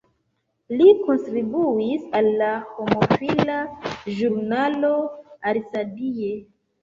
Li kontribuis al la homofila ĵurnalo "Arcadie".